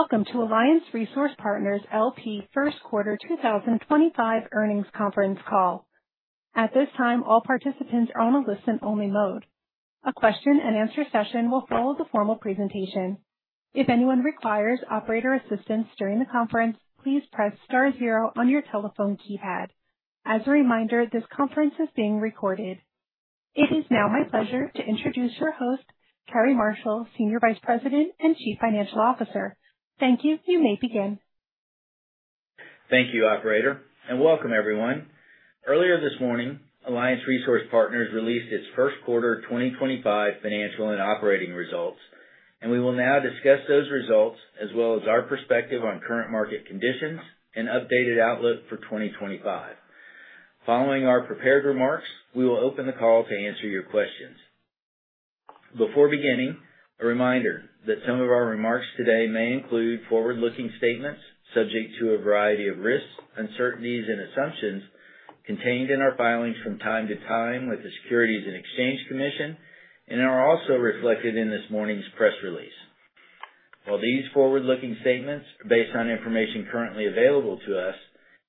Welcome to Alliance Resource Partners L.P. First Quarter 2025 Earnings Conference call. At this time, all participants are on a listen-only mode. A question-and-answer session will follow the formal presentation. If anyone requires operator assistance during the conference, please press star zero on your telephone keypad. As a reminder, this conference is being recorded. It is now my pleasure to introduce your host, Cary Marshall, Senior Vice President and Chief Financial Officer. Thank you. You may begin. Thank you, Operator, and welcome, everyone. Earlier this morning, Alliance Resource Partners released its First Quarter 2025 financial and operating results, and we will now discuss those results as well as our perspective on current market conditions and updated outlook for 2025. Following our prepared remarks, we will open the call to answer your questions. Before beginning, a reminder that some of our remarks today may include forward-looking statements subject to a variety of risks, uncertainties, and assumptions contained in our filings from time to time with the Securities and Exchange Commission and are also reflected in this morning's press release. While these forward-looking statements are based on information currently available to us,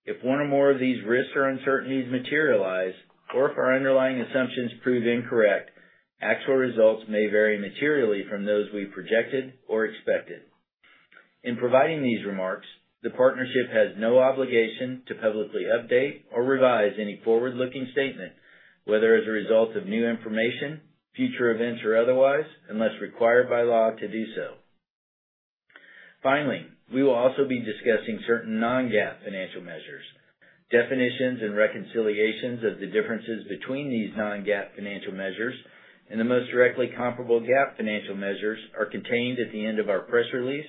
if one or more of these risks or uncertainties materialize or if our underlying assumptions prove incorrect, actual results may vary materially from those we projected or expected. In providing these remarks, the partnership has no obligation to publicly update or revise any forward-looking statement, whether as a result of new information, future events, or otherwise, unless required by law to do so. Finally, we will also be discussing certain non-GAAP financial measures. Definitions and reconciliations of the differences between these non-GAAP financial measures and the most directly comparable GAAP financial measures are contained at the end of our press release,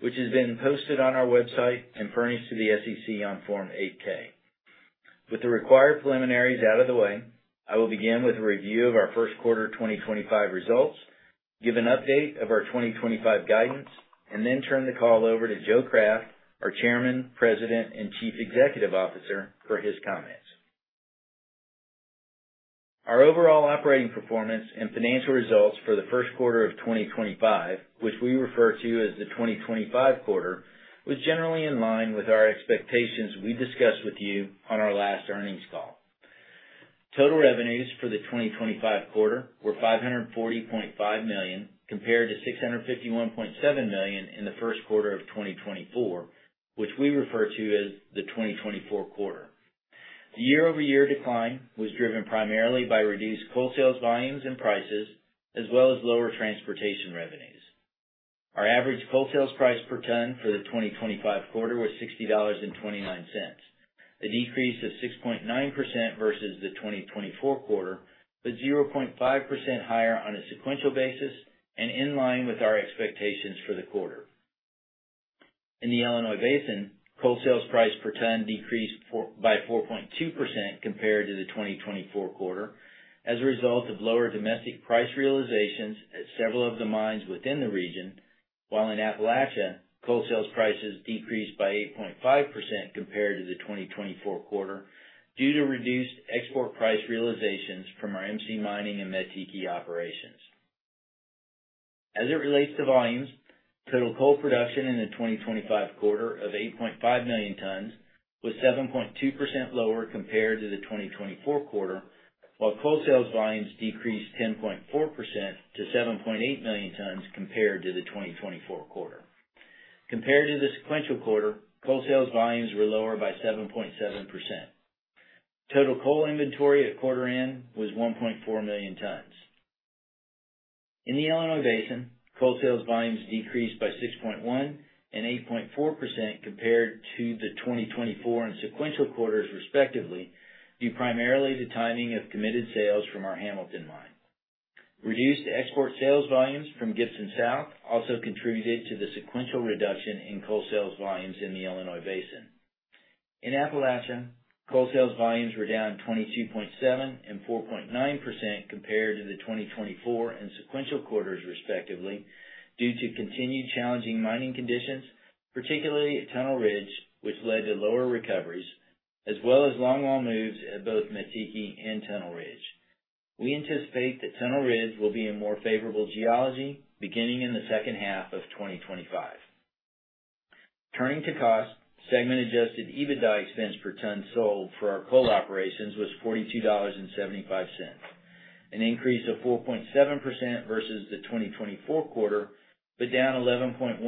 which has been posted on our website and furnished to the SEC on Form 8-K. With the required preliminaries out of the way, I will begin with a review of our First Quarter 2025 results, give an update of our 2025 guidance, and then turn the call over to Joe Craft, our Chairman, President, and Chief Executive Officer, for his comments. Our overall operating performance and financial results for the First Quarter of 2025, which we refer to as the 2025 quarter, was generally in line with our expectations we discussed with you on our last earnings call. Total revenues for the 2025 quarter were $540.5 million compared to $651.7 million in the First Quarter of 2024, which we refer to as the 2024 quarter. The year-over-year decline was driven primarily by reduced coal sales volumes and prices, as well as lower transportation revenues. Our average coal sales price per ton for the 2025 quarter was $60.29, a decrease of 6.9% versus the 2024 quarter, but 0.5% higher on a sequential basis and in line with our expectations for the quarter. In the Illinois Basin, coal sales price per ton decreased by 4.2% compared to the 2024 quarter as a result of lower domestic price realizations at several of the mines within the region, while in Appalachia, coal sales prices decreased by 8.5% compared to the 2024 quarter due to reduced export price realizations from our MC Mining and Mettiki operations. As it relates to volumes, total coal production in the 2025 quarter of 8.5 million tons was 7.2% lower compared to the 2024 quarter, while coal sales volumes decreased 10.4% to 7.8 million tons compared to the 2024 quarter. Compared to the sequential quarter, coal sales volumes were lower by 7.7%. Total coal inventory at quarter end was 1.4 million tons. In the Illinois Basin, coal sales volumes decreased by 6.1% and 8.4% compared to the 2024 and sequential quarters, respectively, due primarily to timing of committed sales from our Hamilton mine. Reduced export sales volumes from Gibson South also contributed to the sequential reduction in coal sales volumes in the Illinois Basin. In Appalachia, coal sales volumes were down 22.7% and 4.9% compared to the 2024 and sequential quarters, respectively, due to continued challenging mining conditions, particularly at Tunnel Ridge, which led to lower recoveries, as well as long-haul moves at both Mettiki and Tunnel Ridge. We anticipate that Tunnel Ridge will be in more favorable geology beginning in the second half of 2025. Turning to costs, segment-adjusted EBITDA expense per ton sold for our coal operations was $42.75, an increase of 4.7% versus the 2024 quarter, but down 11.1%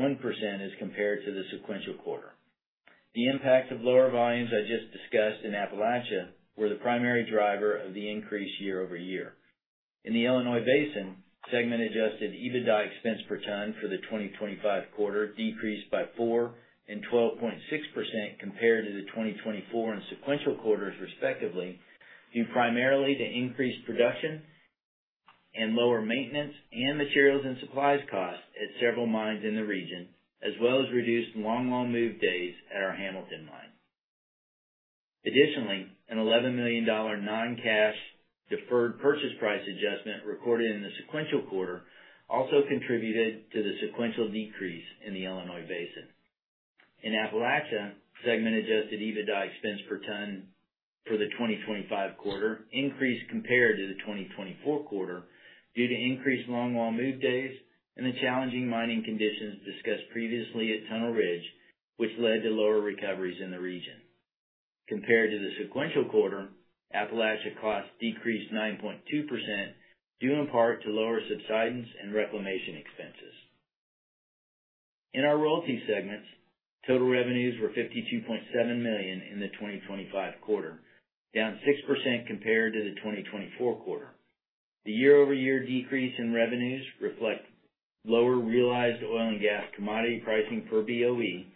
as compared to the sequential quarter. The impact of lower volumes I just discussed in Appalachia were the primary driver of the increase year-over-year. In the Illinois Basin, segment-adjusted EBITDA expense per ton for the 2025 quarter decreased by 4% and 12.6% compared to the 2024 and sequential quarters, respectively, due primarily to increased production and lower maintenance and materials and supplies costs at several mines in the region, as well as reduced long-haul move days at our Hamilton mine. Additionally, an $11 million non-cash deferred purchase price adjustment recorded in the sequential quarter also contributed to the sequential decrease in the Illinois Basin. In Appalachia, segment-adjusted EBITDA expense per ton for the 2025 quarter increased compared to the 2024 quarter due to increased long-haul move days and the challenging mining conditions discussed previously at Tunnel Ridge, which led to lower recoveries in the region. Compared to the sequential quarter, Appalachia costs decreased 9.2% due in part to lower subsidence and reclamation expenses. In our royalty segments, total revenues were $52.7 million in the 2025 quarter, down 6% compared to the 2024 quarter. The year-over-year decrease in revenues reflects lower realized oil and gas commodity pricing per BOE,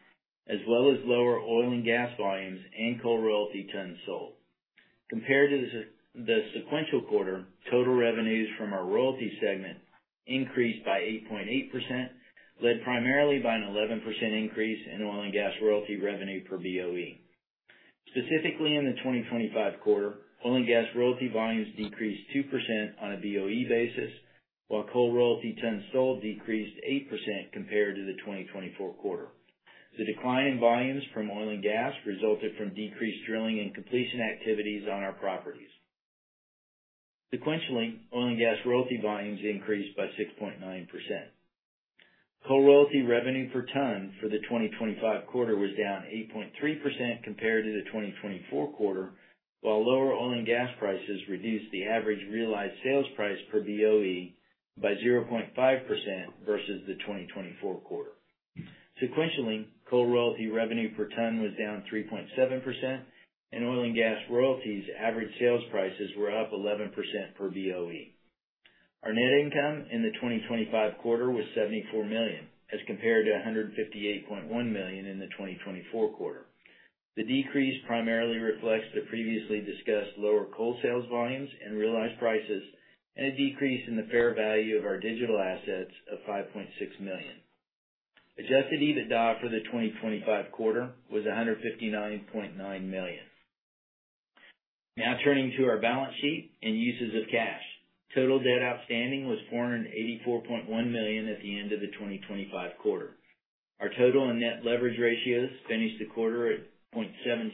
as well as lower oil and gas volumes and coal royalty tons sold. Compared to the sequential quarter, total revenues from our royalty segment increased by 8.8%, led primarily by an 11% increase in oil and gas royalty revenue per BOE. Specifically, in the 2025 quarter, oil and gas royalty volumes decreased 2% on a BOE basis, while coal royalty tons sold decreased 8% compared to the 2024 quarter. The decline in volumes from oil and gas resulted from decreased drilling and completion activities on our properties. Sequentially, oil and gas royalty volumes increased by 6.9%. Coal royalty revenue per ton for the 2025 quarter was down 8.3% compared to the 2024 quarter, while lower oil and gas prices reduced the average realized sales price per BOE by 0.5% versus the 2024 quarter. Sequentially, coal royalty revenue per ton was down 3.7%, and oil and gas royalties average sales prices were up 11% per BOE. Our net income in the 2025 quarter was $74 million, as compared to $158.1 million in the 2024 quarter. The decrease primarily reflects the previously discussed lower coal sales volumes and realized prices and a decrease in the fair value of our digital assets of $5.6 million. Adjusted EBITDA for the 2025 quarter was $159.9 million. Now turning to our balance sheet and uses of cash. Total debt outstanding was $484.1 million at the end of the 2025 quarter. Our total and net leverage ratios finished the quarter at 0.76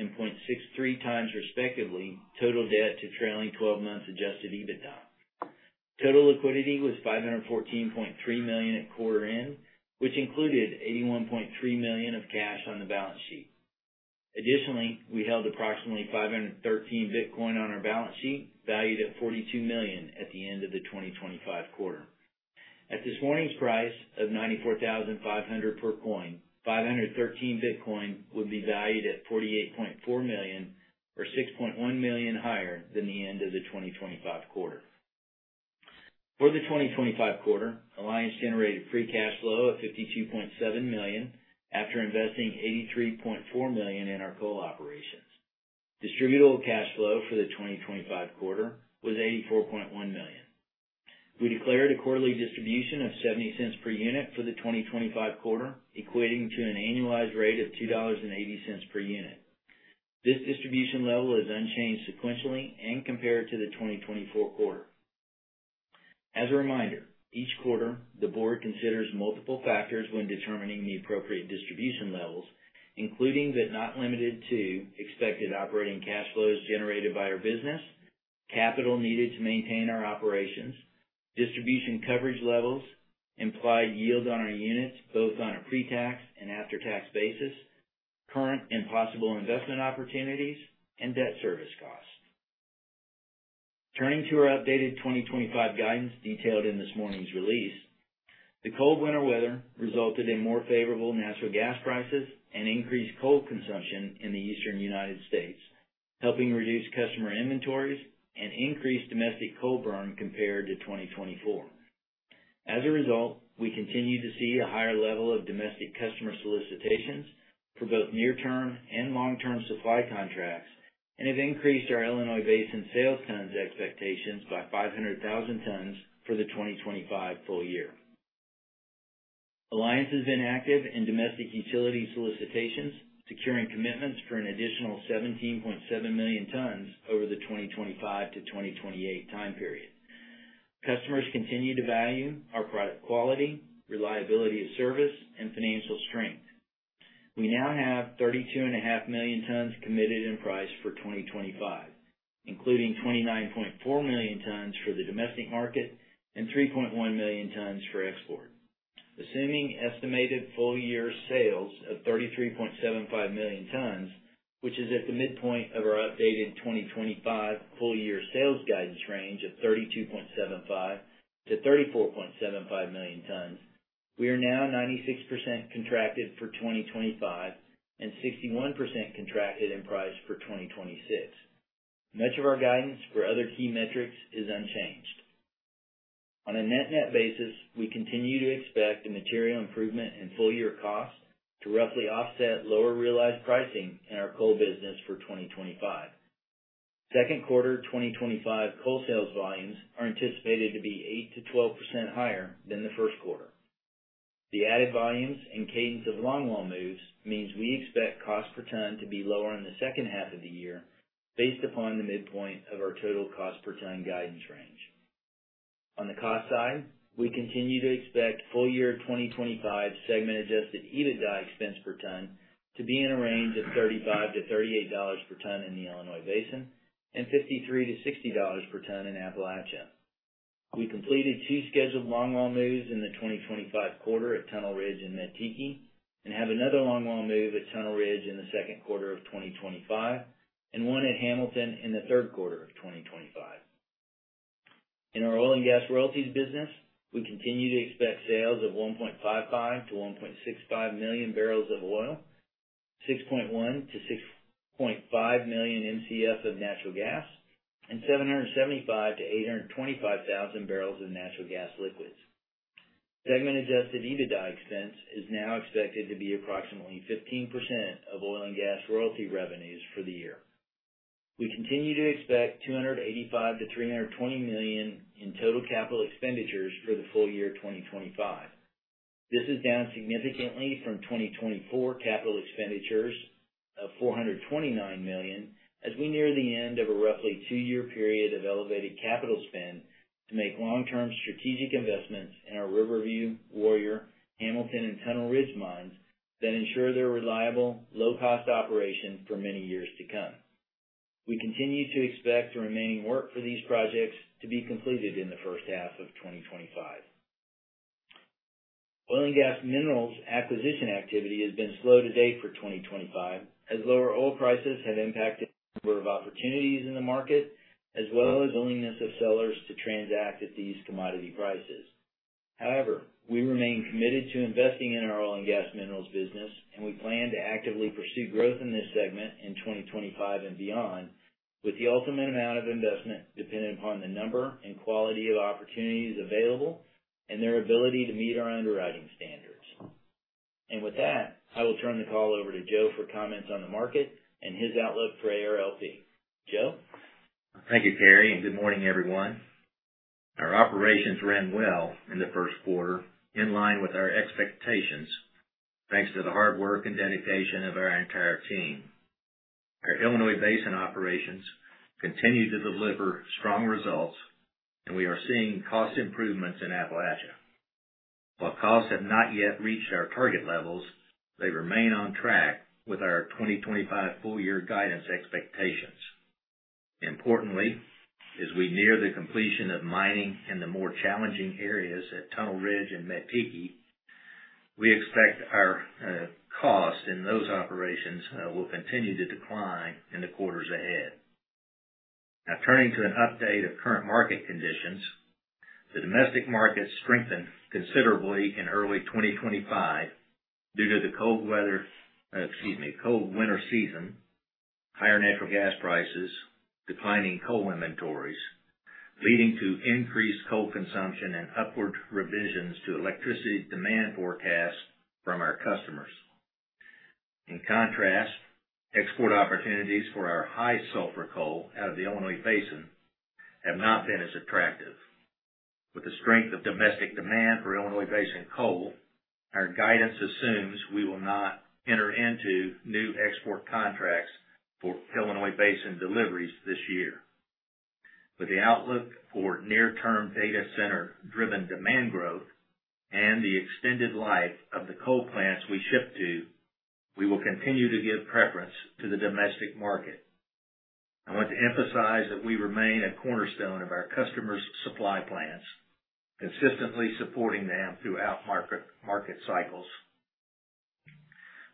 and 0.63 times, respectively, total debt to trailing 12 months adjusted EBITDA. Total liquidity was $514.3 million at quarter end, which included $81.3 million of cash on the balance sheet. Additionally, we held approximately 513 Bitcoin on our balance sheet, valued at $42 million at the end of the 2025 quarter. At this morning's price of $94,500 per coin, 513 Bitcoin would be valued at $48.4 million, or $6.1 million higher than the end of the 2025 quarter. For the 2025 quarter, Alliance generated free cash flow of $52.7 million after investing $83.4 million in our coal operations. Distributable cash flow for the 2025 quarter was $84.1 million. We declared a quarterly distribution of $0.70 per unit for the 2025 quarter, equating to an annualized rate of $2.80 per unit. This distribution level is unchanged sequentially and compared to the 2024 quarter. As a reminder, each quarter, the board considers multiple factors when determining the appropriate distribution levels, including but not limited to expected operating cash flows generated by our business, capital needed to maintain our operations, distribution coverage levels, implied yield on our units both on a pre-tax and after-tax basis, current and possible investment opportunities, and debt service costs. Turning to our updated 2025 guidance detailed in this morning's release, the cold winter weather resulted in more favorable natural gas prices and increased coal consumption in the Eastern United States, helping reduce customer inventories and increased domestic coal burn compared to 2024. As a result, we continue to see a higher level of domestic customer solicitations for both near-term and long-term supply contracts and have increased our Illinois Basin sales tons expectations by 500,000 tons for the 2025 full year. Alliance has been active in domestic utility solicitations, securing commitments for an additional 17.7 million tons over the 2025 to 2028 time period. Customers continue to value our product quality, reliability of service, and financial strength. We now have 32.5 million tons committed in price for 2025, including 29.4 million tons for the domestic market and 3.1 million tons for export, assuming estimated full-year sales of 33.75 million tons, which is at the midpoint of our updated 2025 full-year sales guidance range of 32.75-34.75 million tons. We are now 96% contracted for 2025 and 61% contracted in price for 2026. Much of our guidance for other key metrics is unchanged. On a net-net basis, we continue to expect a material improvement in full-year costs to roughly offset lower realized pricing in our coal business for 2025. Second quarter 2025 coal sales volumes are anticipated to be 8%-12% higher than the first quarter. The added volumes and cadence of long-haul moves means we expect cost per ton to be lower in the second half of the year based upon the midpoint of our total cost per ton guidance range. On the cost side, we continue to expect full-year 2025 segment-adjusted EBITDA expense per ton to be in a range of $35.00-$38.00 per ton in the Illinois Basin and $53.00-$60.00 per ton in Appalachia. We completed two scheduled long-haul moves in the 2025 quarter at Tunnel Ridge and Mettiki and have another long-haul move at Tunnel Ridge in the second quarter of 2025 and one at Hamilton in the third quarter of 2025. In our oil and gas royalties business, we continue to expect sales of 1.55-1.65 million barrels of oil, 6.1-6.5 million MCF of natural gas, and 775,000-825,000 barrels of natural gas liquids. Segment-adjusted EBITDA expense is now expected to be approximately 15% of oil and gas royalty revenues for the year. We continue to expect $285 million-$320 million in total capital expenditures for the full year 2025. This is down significantly from 2024 capital expenditures of $429 million as we near the end of a roughly two-year period of elevated capital spend to make long-term strategic investments in our Riverview, Warrior, Hamilton, and Tunnel Ridge mines that ensure their reliable, low-cost operation for many years to come. We continue to expect the remaining work for these projects to be completed in the first half of 2025. Oil and gas minerals acquisition activity has been slow to date for 2025 as lower oil prices have impacted the number of opportunities in the market as well as willingness of sellers to transact at these commodity prices. However, we remain committed to investing in our oil and gas minerals business, and we plan to actively pursue growth in this segment in 2025 and beyond with the ultimate amount of investment dependent upon the number and quality of opportunities available and their ability to meet our underwriting standards. With that, I will turn the call over to Joe for comments on the market and his outlook for ARLP. Joe? Thank you, Cary, and good morning, everyone. Our operations ran well in the first quarter, in line with our expectations, thanks to the hard work and dedication of our entire team. Our Illinois Basin operations continue to deliver strong results, and we are seeing cost improvements in Appalachia. While costs have not yet reached our target levels, they remain on track with our 2025 full-year guidance expectations. Importantly, as we near the completion of mining in the more challenging areas at Tunnel Ridge and Mettiki, we expect our costs in those operations will continue to decline in the quarters ahead. Now turning to an update of current market conditions, the domestic market strengthened considerably in early 2025 due to the cold weather, excuse me, cold winter season, higher natural gas prices, declining coal inventories, leading to increased coal consumption and upward revisions to electricity demand forecasts from our customers. In contrast, export opportunities for our high sulfur coal out of the Illinois Basin have not been as attractive. With the strength of domestic demand for Illinois Basin coal, our guidance assumes we will not enter into new export contracts for Illinois Basin deliveries this year. With the outlook for near-term data center-driven demand growth and the extended life of the coal plants we ship to, we will continue to give preference to the domestic market. I want to emphasize that we remain a cornerstone of our customers' supply plants, consistently supporting them throughout market cycles.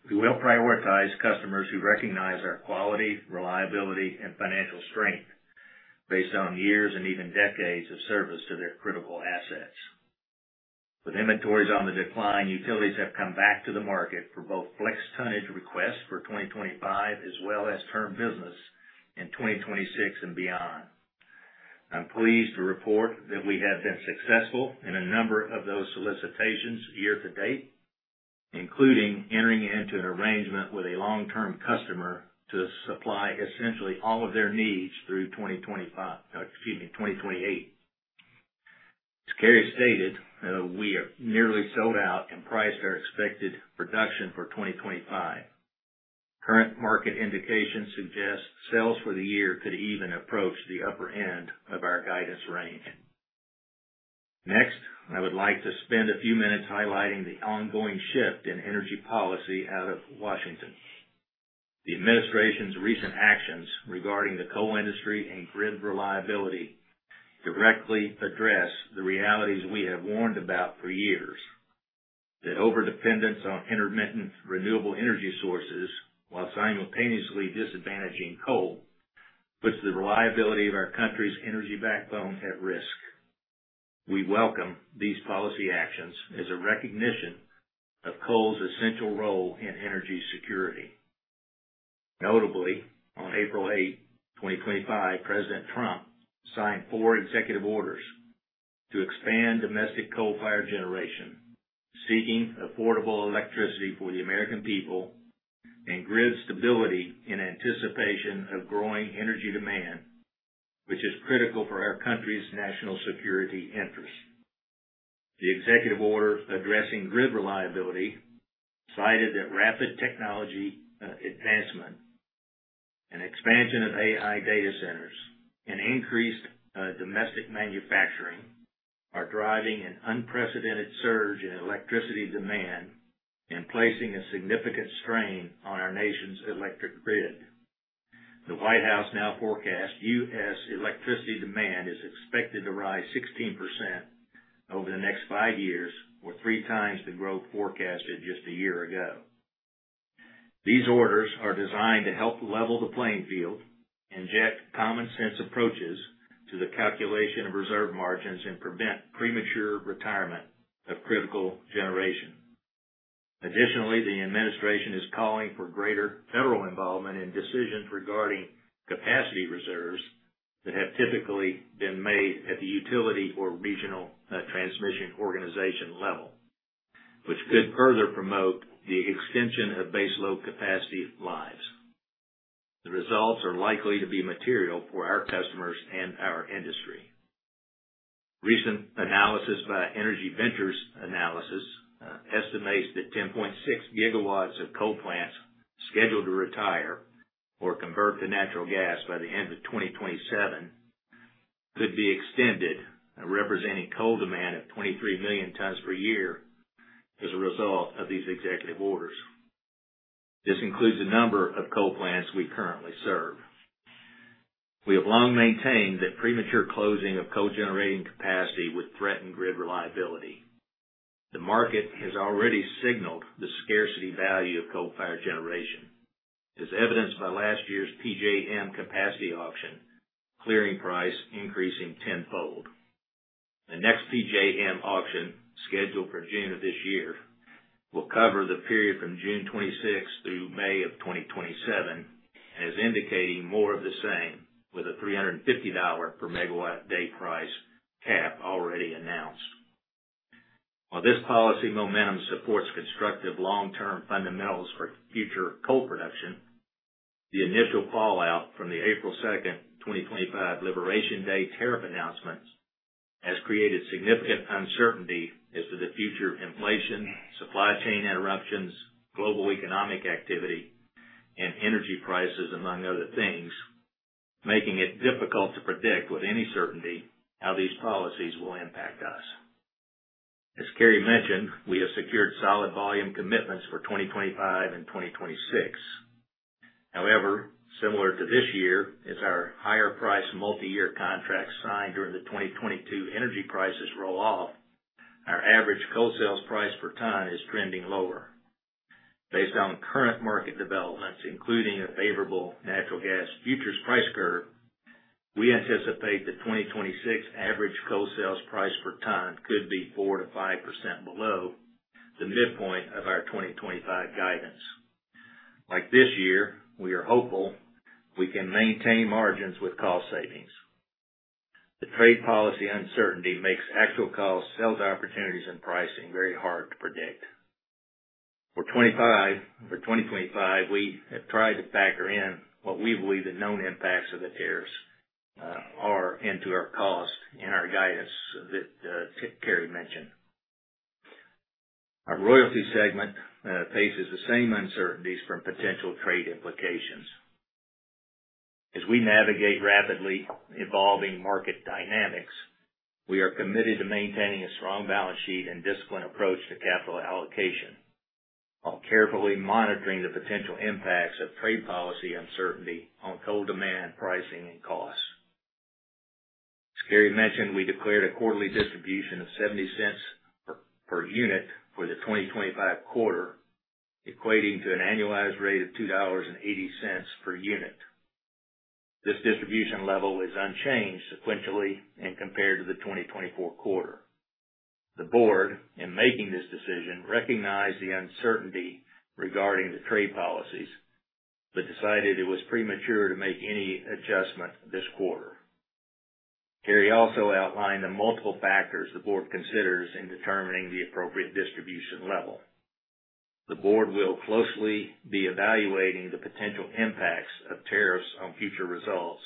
We will prioritize customers who recognize our quality, reliability, and financial strength based on years and even decades of service to their critical assets. With inventories on the decline, utilities have come back to the market for both flex tonnage requests for 2025 as well as term business in 2026 and beyond. I'm pleased to report that we have been successful in a number of those solicitations year to date, including entering into an arrangement with a long-term customer to supply essentially all of their needs through 2025, excuse me, 2028. As Cary stated, we are nearly sold out and priced our expected production for 2025. Current market indications suggest sales for the year could even approach the upper end of our guidance range. Next, I would like to spend a few minutes highlighting the ongoing shift in energy policy out of Washington. The administration's recent actions regarding the coal industry and grid reliability directly address the realities we have warned about for years: the overdependence on intermittent renewable energy sources while simultaneously disadvantaging coal puts the reliability of our country's energy backbone at risk. We welcome these policy actions as a recognition of coal's essential role in energy security. Notably, on April 8, 2025, President Trump signed four executive orders to expand domestic coal-fired generation, seeking affordable electricity for the American people and grid stability in anticipation of growing energy demand, which is critical for our country's national security interests. The executive order addressing grid reliability cited that rapid technology advancement, an expansion of AI data centers, and increased domestic manufacturing are driving an unprecedented surge in electricity demand and placing a significant strain on our nation's electric grid. The White House now forecasts U.S. electricity demand is expected to rise 16% over the next five years, or three times the growth forecasted just a year ago. These orders are designed to help level the playing field, inject common-sense approaches to the calculation of reserve margins, and prevent premature retirement of critical generation. Additionally, the administration is calling for greater federal involvement in decisions regarding capacity reserves that have typically been made at the utility or regional transmission organization level, which could further promote the extension of base load capacity lives. The results are likely to be material for our customers and our industry. Recent analysis by Energy Ventures Analysis estimates that 10.6 gigawatts of coal plants scheduled to retire or convert to natural gas by the end of 2027 could be extended, representing coal demand of 23 million tons per year as a result of these executive orders. This includes the number of coal plants we currently serve. We have long maintained that premature closing of coal-generating capacity would threaten grid reliability. The market has already signaled the scarcity value of coal-fired generation, as evidenced by last year's PJM capacity auction clearing price increasing tenfold. The next PJM auction scheduled for June of this year will cover the period from June 2026 through May of 2027 and is indicating more of the same, with a $350 per megawatt day price cap already announced. While this policy momentum supports constructive long-term fundamentals for future coal production, the initial fallout from the April 2, 2025, Liberation Day tariff announcements has created significant uncertainty as to the future inflation, supply chain interruptions, global economic activity, and energy prices, among other things, making it difficult to predict with any certainty how these policies will impact us. As Cary mentioned, we have secured solid volume commitments for 2025 and 2026. However, similar to this year, as our higher-priced multi-year contracts signed during the 2022 energy prices roll-off, our average coal sales price per ton is trending lower. Based on current market developments, including a favorable natural gas futures price curve, we anticipate the 2026 average coal sales price per ton could be 4%-5% below the midpoint of our 2025 guidance. Like this year, we are hopeful we can maintain margins with cost savings. The trade policy uncertainty makes actual cost sales opportunities and pricing very hard to predict. For 2025, we have tried to factor in what we believe the known impacts of the tariffs are into our cost in our guidance that Cary mentioned. Our royalty segment faces the same uncertainties from potential trade implications. As we navigate rapidly evolving market dynamics, we are committed to maintaining a strong balance sheet and disciplined approach to capital allocation, while carefully monitoring the potential impacts of trade policy uncertainty on coal demand, pricing, and costs. As Cary mentioned, we declared a quarterly distribution of $0.70 per unit for the 2025 quarter, equating to an annualized rate of $2.80 per unit. This distribution level is unchanged sequentially and compared to the 2024 quarter. The board, in making this decision, recognized the uncertainty regarding the trade policies but decided it was premature to make any adjustment this quarter. Cary also outlined the multiple factors the board considers in determining the appropriate distribution level. The board will closely be evaluating the potential impacts of tariffs on future results,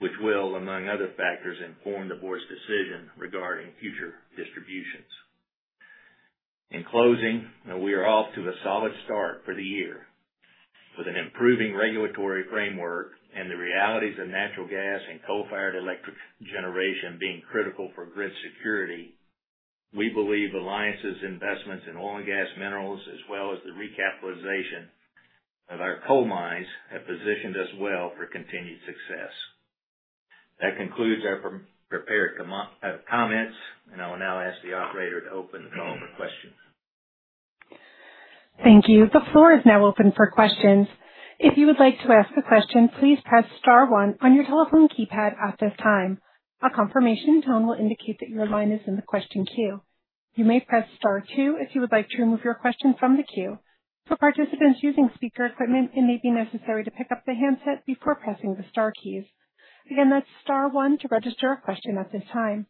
which will, among other factors, inform the board's decision regarding future distributions. In closing, we are off to a solid start for the year. With an improving regulatory framework and the realities of natural gas and coal-fired electric generation being critical for grid security, we believe Alliance's investments in oil and gas minerals, as well as the recapitalization of our coal mines, have positioned us well for continued success. That concludes our prepared comments, and I will now ask the operator to open the call for questions. Thank you. The floor is now open for questions. If you would like to ask a question, please press *1 on your telephone keypad at this time. A confirmation tone will indicate that your line is in the question queue. You may press *2 if you would like to remove your question from the queue. For participants using speaker equipment, it may be necessary to pick up the handset before pressing the star keys. Again, that's *1 to register a question at this time.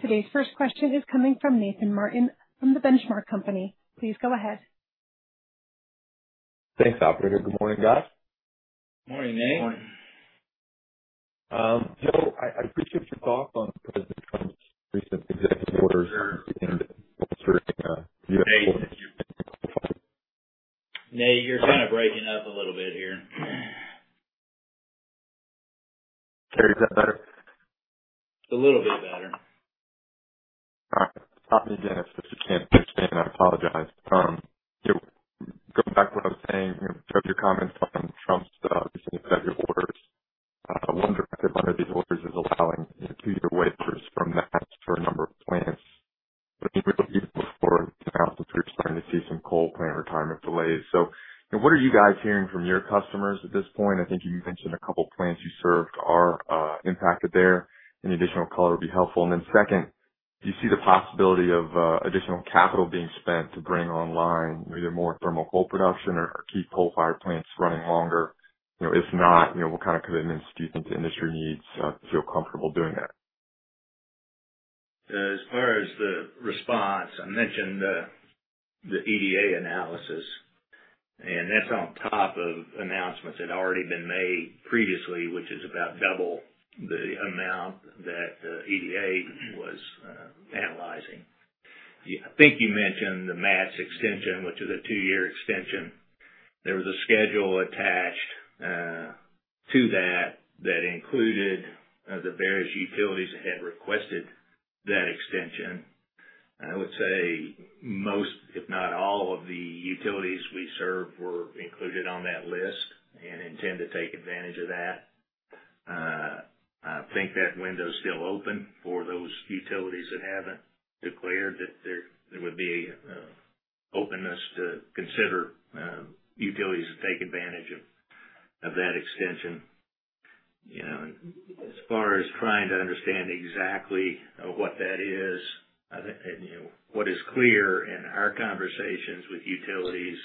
Today's first question is coming from Nathan Martin from the Benchmark Company. Please go ahead. Thanks, operator. Good morning, guys. Morning, Nate. Morning. Joe, I appreciate your thoughts on President Trump's recent executive orders and bolstering U.S. coal mines. Nate, you're kind of breaking up a little bit here. Cary, is that better? A little bit better. All right. Stop me again if you can't understand. I apologize. Going back to what I was saying, Joe's comments on Trump's recent executive orders, one directive under these orders is allowing two-year waivers from MATS for a number of plants. I mean, we're looking forward to now since we're starting to see some coal plant retirement delays. What are you guys hearing from your customers at this point? I think you mentioned a couple of plants you served are impacted there. Any additional color would be helpful. Do you see the possibility of additional capital being spent to bring online either more thermal coal production or keep coal-fired plants running longer? If not, what kind of commitments do you think the industry needs to feel comfortable doing that? As far as the response, I mentioned the EVA analysis, and that is on top of announcements that had already been made previously, which is about double the amount that the EVA was analyzing. I think you mentioned the MATS extension, which is a two-year extension. There was a schedule attached to that that included the various utilities that had requested that extension. I would say most, if not all, of the utilities we serve were included on that list and intend to take advantage of that. I think that window is still open for those utilities that have not declared that there would be openness to consider utilities to take advantage of that extension. As far as trying to understand exactly what that is, what is clear in our conversations with utilities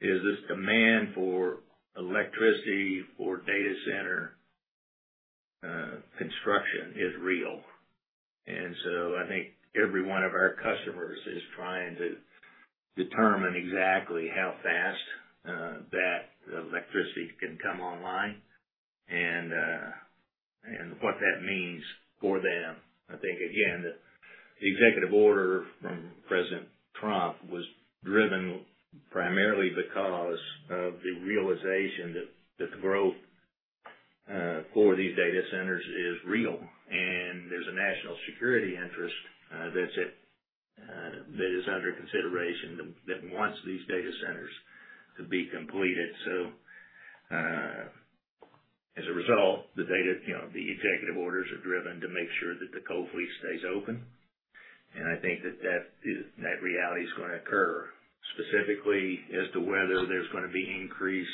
is this demand for electricity for data center construction is real. I think every one of our customers is trying to determine exactly how fast that electricity can come online and what that means for them. I think, again, the executive order from President Trump was driven primarily because of the realization that the growth for these data centers is real, and there is a national security interest that is under consideration that wants these data centers to be completed. As a result, the executive orders are driven to make sure that the coal fleet stays open. I think that that reality is going to occur. Specifically as to whether there's going to be increased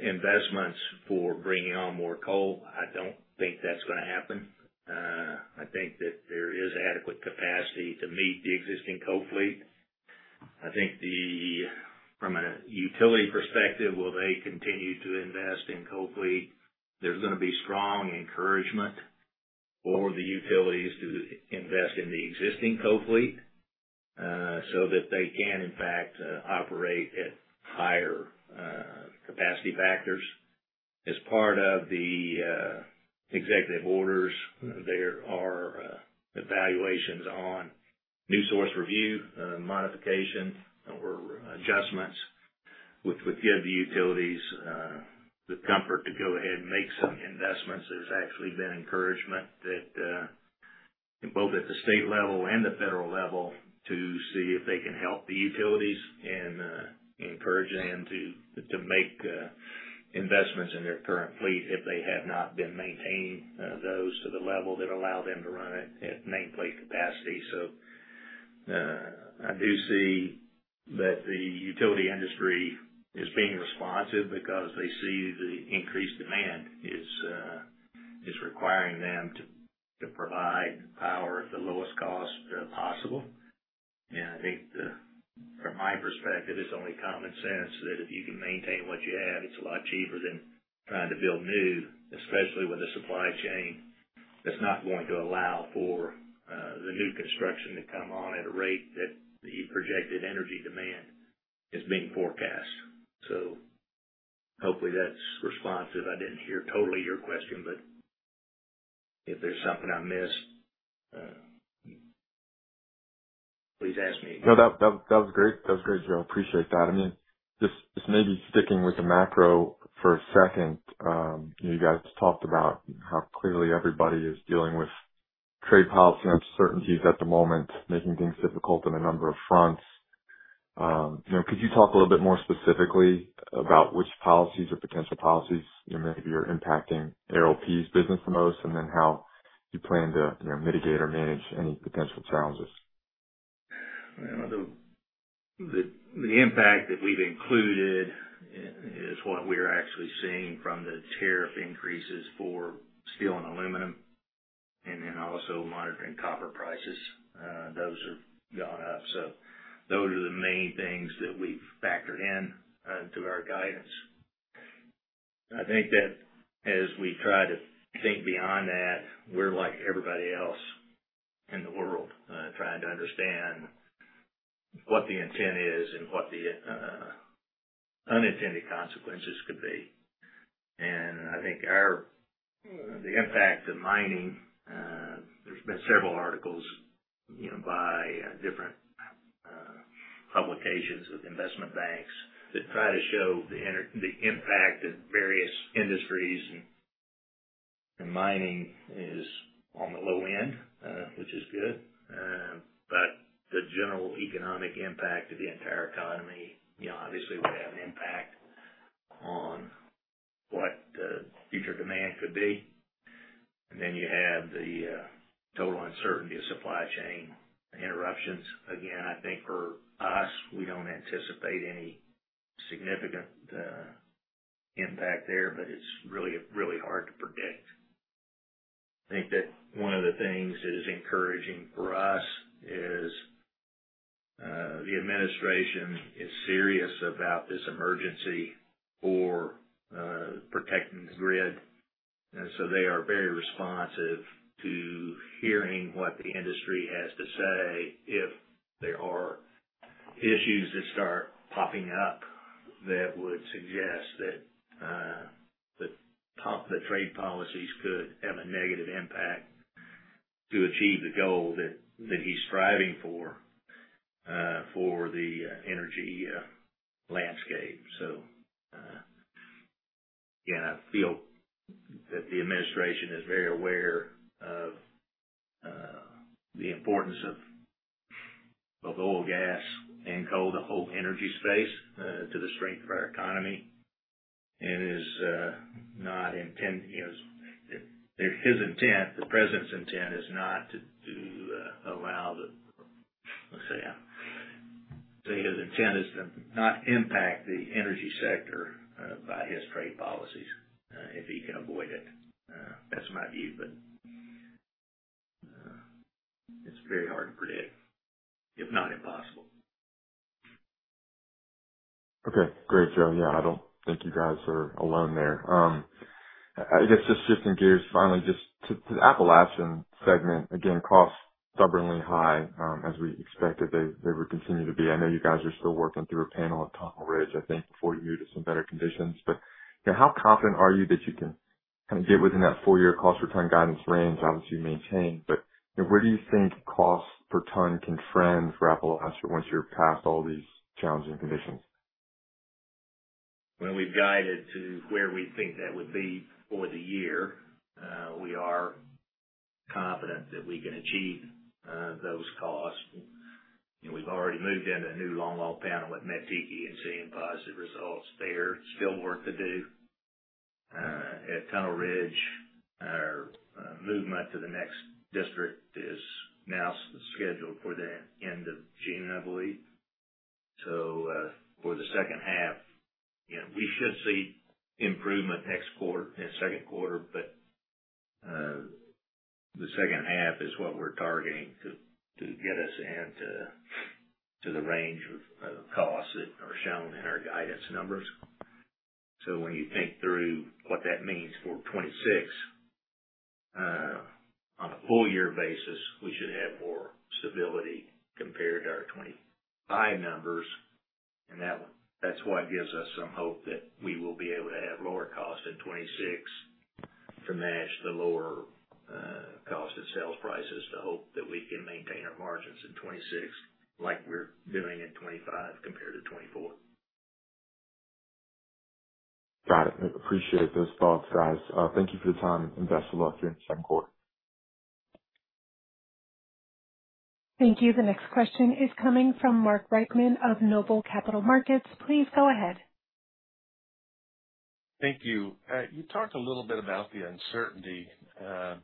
investments for bringing on more coal, I don't think that's going to happen. I think that there is adequate capacity to meet the existing coal fleet. I think from a utility perspective, will they continue to invest in coal fleet? There's going to be strong encouragement for the utilities to invest in the existing coal fleet so that they can, in fact, operate at higher capacity factors. As part of the executive orders, there are evaluations on New Source Review, modification, or adjustments which would give the utilities the comfort to go ahead and make some investments. There's actually been encouragement both at the state level and the federal level to see if they can help the utilities and encourage them to make investments in their current fleet if they have not been maintaining those to the level that allow them to run it at nameplate capacity. I do see that the utility industry is being responsive because they see the increased demand is requiring them to provide power at the lowest cost possible. I think from my perspective, it's only common sense that if you can maintain what you have, it's a lot cheaper than trying to build new, especially with a supply chain that's not going to allow for the new construction to come on at a rate that the projected energy demand is being forecast. Hopefully that's responsive. I didn't hear totally your question, but if there's something I missed, please ask me again. No, that was great. That was great, Joe. I appreciate that. I mean, just maybe sticking with the macro for a second, you guys talked about how clearly everybody is dealing with trade policy uncertainties at the moment, making things difficult on a number of fronts. Could you talk a little bit more specifically about which policies or potential policies maybe are impacting ARLP's business the most, and then how you plan to mitigate or manage any potential challenges? The impact that we've included is what we're actually seeing from the tariff increases for steel and aluminum, and then also monitoring copper prices. Those have gone up. So those are the main things that we've factored into our guidance. I think that as we try to think beyond that, we're like everybody else in the world trying to understand what the intent is and what the unintended consequences could be. I think the impact of mining, there have been several articles by different publications with investment banks that try to show the impact of various industries. Mining is on the low end, which is good. The general economic impact of the entire economy, obviously, would have an impact on what future demand could be. You have the total uncertainty of supply chain interruptions. Again, I think for us, we don't anticipate any significant impact there, but it's really, really hard to predict. I think that one of the things that is encouraging for us is the administration is serious about this emergency for protecting the grid. They are very responsive to hearing what the industry has to say. If there are issues that start popping up that would suggest that the trade policies could have a negative impact to achieve the goal that he's striving for for the energy landscape. I feel that the administration is very aware of the importance of both oil, gas, and coal, the whole energy space, to the strength of our economy, and is not intending his intent, the president's intent is not to allow the—let's say his intent is to not impact the energy sector by his trade policies if he can avoid it. That's my view, but it's very hard to predict, if not impossible. Okay. Great, Joe. Yeah, I don't think you guys are alone there. I guess just shifting gears finally, just to the Appalachian segment. Again, costs stubbornly high, as we expected they would continue to be. I know you guys are still working through a panel at Tunnel Ridge, I think, before you move to some better conditions. How confident are you that you can kind of get within that four-year cost per ton guidance range? Obviously, you maintain, but where do you think costs per ton can trend for Appalachia once you're past all these challenging conditions? When we've guided to where we think that would be for the year, we are confident that we can achieve those costs. We've already moved into a new long-haul panel at Mettiki and seeing positive results there. Still work to do. At Tunnel Ridge, our movement to the next district is now scheduled for the end of June, I believe. For the second half, we should see improvement next quarter and second quarter, but the second half is what we're targeting to get us into the range of costs that are shown in our guidance numbers. When you think through what that means for 2026, on a full-year basis, we should have more stability compared to our 2025 numbers. That's why it gives us some hope that we will be able to have lower costs in 2026 to match the lower cost of sales prices, to hope that we can maintain our margins in 2026 like we're doing in 2025 compared to 2024. Got it. Appreciate those thoughts, guys. Thank you for the time, and best of luck here in the second quarter. Thank you. The next question is coming from Mark Reichman of Noble Capital Markets. Please go ahead. Thank you. You talked a little bit about the uncertainty. I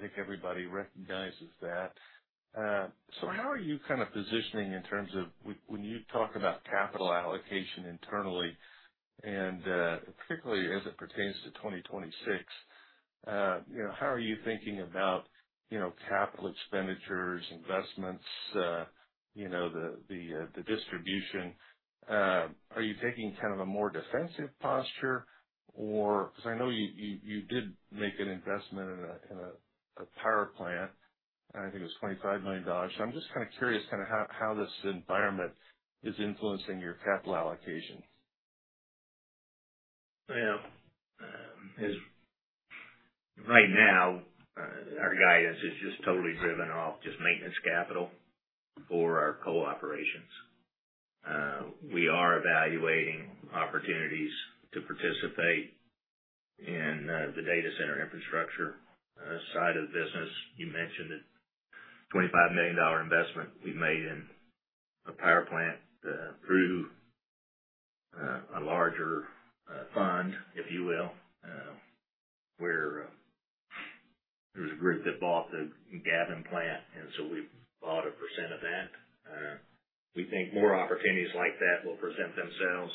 think everybody recognizes that. How are you kind of positioning in terms of when you talk about capital allocation internally, and particularly as it pertains to 2026, how are you thinking about capital expenditures, investments, the distribution? Are you taking kind of a more defensive posture, or? I know you did make an investment in a power plant. I think it was $25 million. I am just kind of curious kind of how this environment is influencing your capital allocation. Right now, our guidance is just totally driven off just maintenance capital for our coal operations. We are evaluating opportunities to participate in the data center infrastructure side of the business. You mentioned that $25 million investment we have made in a power plant through a larger fund, if you will. There was a group that bought the Gavin plant, and we bought a percent of that. We think more opportunities like that will present themselves.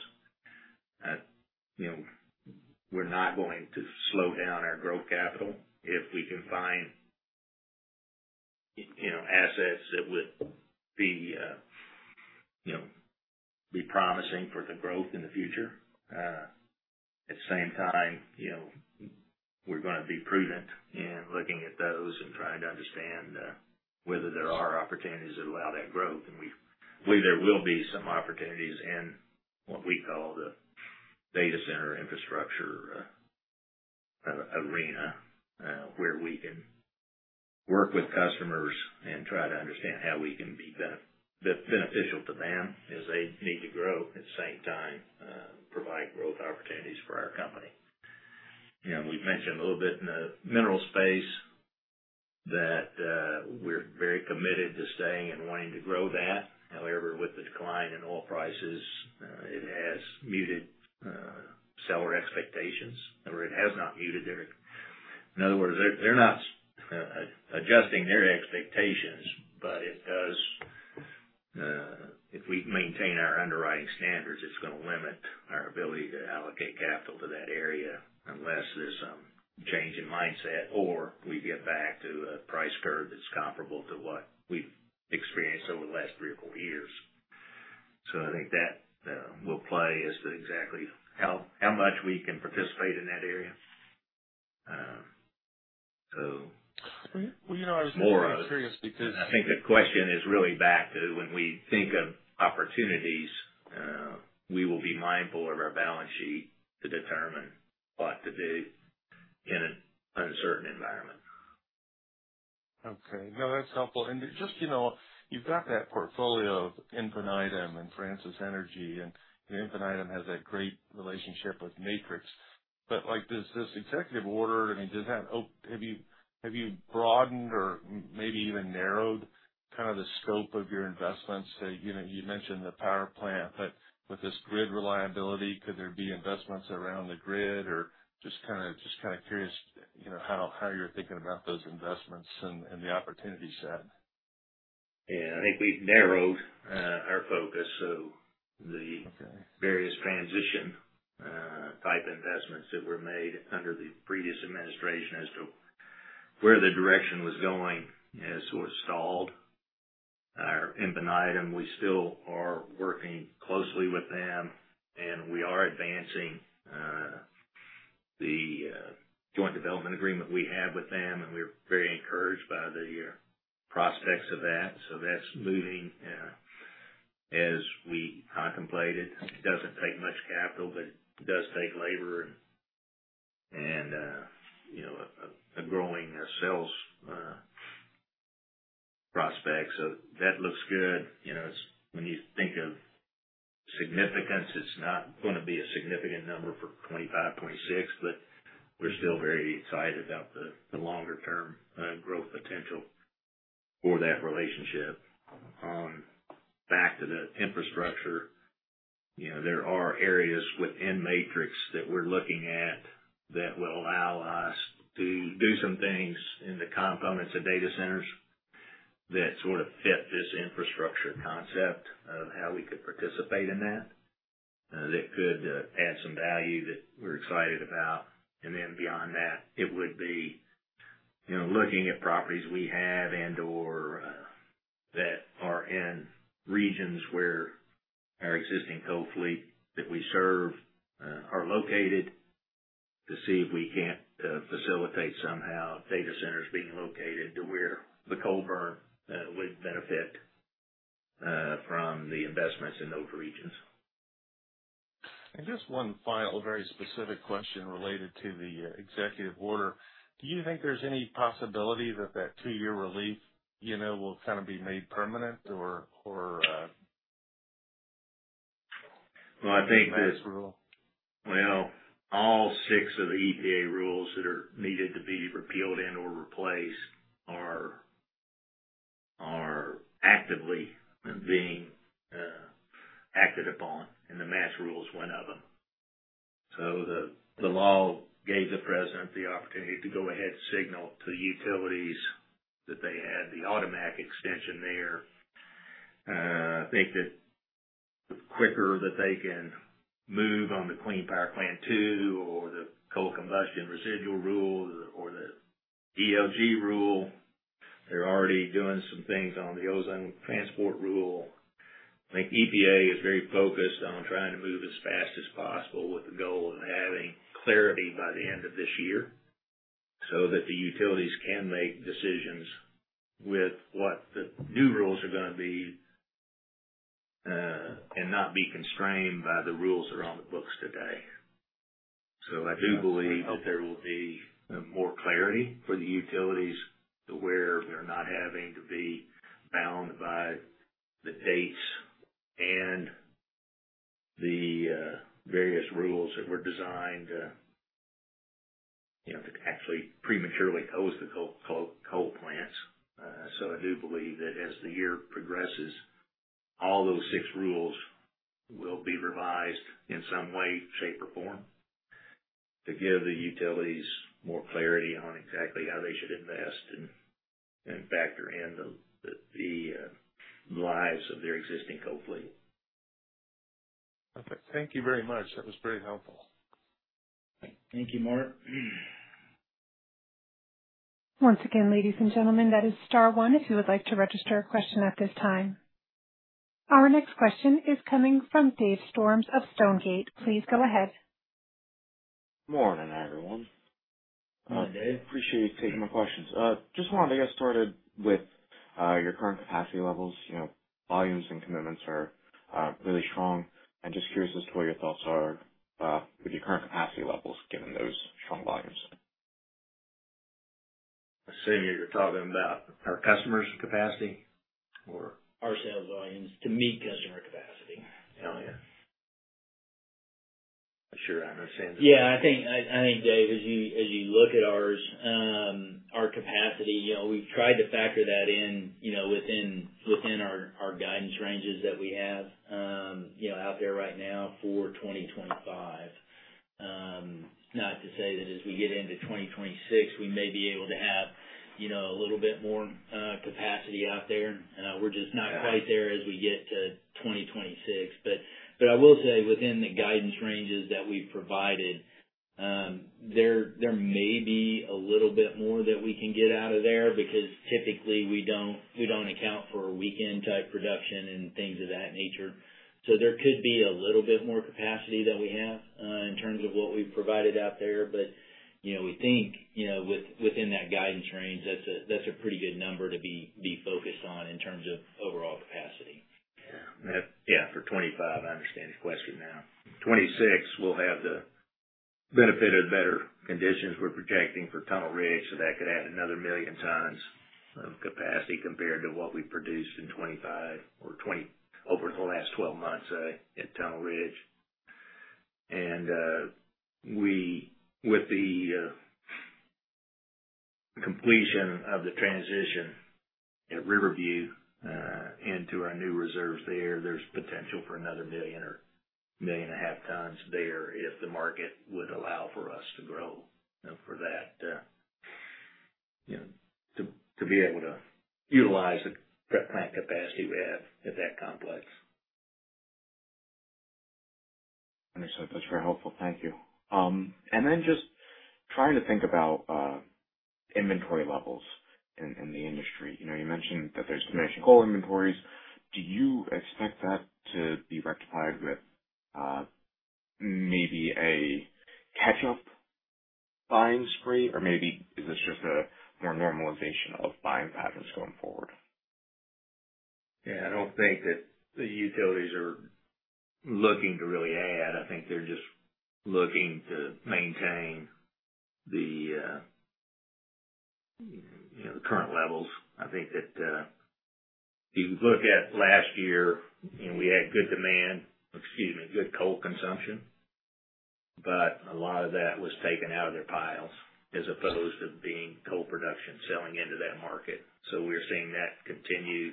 We're not going to slow down our growth capital if we can find assets that would be promising for the growth in the future. At the same time, we're going to be prudent in looking at those and trying to understand whether there are opportunities that allow that growth. We believe there will be some opportunities in what we call the data center infrastructure arena where we can work with customers and try to understand how we can be beneficial to them as they need to grow, at the same time provide growth opportunities for our company. We've mentioned a little bit in the mineral space that we're very committed to staying and wanting to grow that. However, with the decline in oil prices, it has muted seller expectations, or it has not muted their. In other words, they're not adjusting their expectations, but if we maintain our underwriting standards, it's going to limit our ability to allocate capital to that area unless there's some change in mindset or we get back to a price curve that's comparable to what we've experienced over the last three or four years. I think that will play as to exactly how much we can participate in that area. I was just curious because I think the question is really back to when we think of opportunities, we will be mindful of our balance sheet to determine what to do in an uncertain environment. Okay. No, that's helpful. You have that portfolio of Infinium and Francis Energy, and Infinium has that great relationship with Matrix. I mean, does this executive order, have you broadened or maybe even narrowed kind of the scope of your investments? You mentioned the power plant, with this grid reliability, could there be investments around the grid, or just kind of curious how you're thinking about those investments and the opportunity set? Yeah. I think we've narrowed our focus. The various transition-type investments that were made under the previous administration as to where the direction was going has sort of stalled. Infinium, we still are working closely with them, and we are advancing the joint development agreement we have with them, and we're very encouraged by the prospects of that. That's moving as we contemplated. It doesn't take much capital, but it does take labor and a growing sales prospect. That looks good. When you think of significance, it's not going to be a significant number for 2025, 2026, but we're still very excited about the longer-term growth potential for that relationship. Back to the infrastructure, there are areas within Matrix that we're looking at that will allow us to do some things in the components of data centers that sort of fit this infrastructure concept of how we could participate in that, that could add some value that we're excited about. Beyond that, it would be looking at properties we have and/or that are in regions where our existing coal fleet that we serve are located to see if we can't facilitate somehow data centers being located to where the coal burn would benefit from the investments in those regions. Just one final, very specific question related to the executive order. Do you think there's any possibility that that two-year relief will kind of be made permanent or. I think that by this rule? All six of the EPA rules that are needed to be repealed and/or replaced are actively being acted upon, and the MATS rule is one of them. The law gave the president the opportunity to go ahead and signal to the utilities that they had the automatic extension there. I think that the quicker that they can move on the Clean Power Plan too, or the Coal Combustion Residuals rule, or the ELG rule. They're already doing some things on the Ozone Transport Rule. I think EPA is very focused on trying to move as fast as possible with the goal of having clarity by the end of this year so that the utilities can make decisions with what the new rules are going to be and not be constrained by the rules that are on the books today. I do believe that there will be more clarity for the utilities to where they're not having to be bound by the dates and the various rules that were designed to actually prematurely close the coal plants. I do believe that as the year progresses, all those six rules will be revised in some way, shape, or form to give the utilities more clarity on exactly how they should invest and factor in the lives of their existing coal fleet. Perfect. Thank you very much. That was very helpful. Thank you, Mark. Once again, ladies and gentlemen, that is *1 if you would like to register a question at this time. Our next question is coming from Dave Storm of Stonegate. Please go ahead. Morning, everyone. Hi, Dave. Appreciate you taking my questions. Just wanted to get started with your current capacity levels. Volumes and commitments are really strong. I'm just curious as to what your thoughts are with your current capacity levels given those strong volumes. I assume you're talking about our customers' capacity or our sales volumes to meet customer capacity. Oh, yeah. Sure. I understand that. Yeah. I think, Dave, as you look at our capacity, we've tried to factor that in within our guidance ranges that we have out there right now for 2025. Not to say that as we get into 2026, we may be able to have a little bit more capacity out there. We're just not quite there as we get to 2026. I will say within the guidance ranges that we've provided, there may be a little bit more that we can get out of there because typically we don't account for weekend-type production and things of that nature. There could be a little bit more capacity that we have in terms of what we've provided out there. We think within that guidance range, that's a pretty good number to be focused on in terms of overall capacity. Yeah. For 2025, I understand the question now. 2026, we'll have the benefit of better conditions we're projecting for Tunnel Ridge, so that could add another million tons of capacity compared to what we've produced in 2025 or over the last 12 months, say, at Tunnel Ridge. With the completion of the transition at Riverview into our new reserves there, there's potential for another 1 million or 1.5 million tons there if the market would allow for us to grow for that, to be able to utilize the plant capacity we have at that complex. Understood. That's very helpful. Thank you. Just trying to think about inventory levels in the industry. You mentioned that there's diminishing coal inventories. Do you expect that to be rectified with maybe a catch-up buying spree? Or maybe is this just a more normalization of buying patterns going forward? Yeah. I don't think that the utilities are looking to really add. I think they're just looking to maintain the current levels. I think that if you look at last year, we had good demand, excuse me, good coal consumption, but a lot of that was taken out of their piles as opposed to being coal production selling into that market. We are seeing that continue.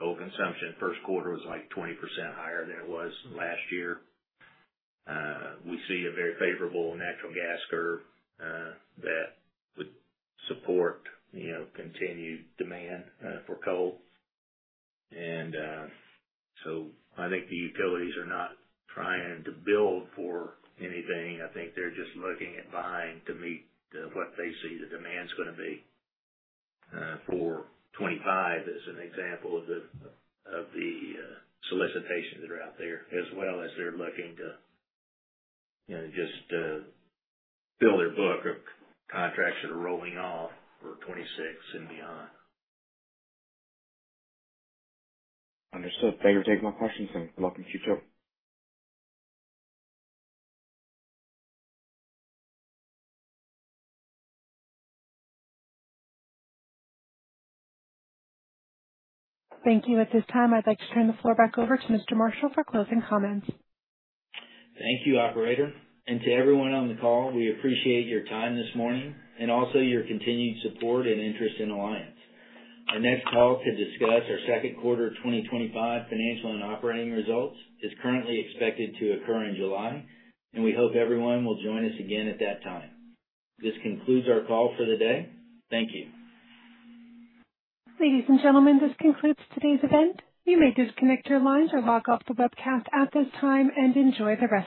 Coal consumption first quarter was like 20% higher than it was last year. We see a very favorable natural gas curve that would support continued demand for coal. I think the utilities are not trying to build for anything. I think they are just looking at buying to meet what they see the demand is going to be for 2025 as an example of the solicitations that are out there, as well as they are looking to just fill their book of contracts that are rolling off for 2026 and beyond. Understood. Thank you for taking my questions, and good luck in the future. Thank you. At this time, I'd like to turn the floor back over to Mr. Marshall for closing comments. Thank you, Operator. To everyone on the call, we appreciate your time this morning and also your continued support and interest in Alliance. Our next call to discuss our second quarter 2025 financial and operating results is currently expected to occur in July, and we hope everyone will join us again at that time. This concludes our call for the day. Thank you. Ladies and gentlemen, this concludes today's event. You may disconnect your lines or log off the webcast at this time and enjoy the rest.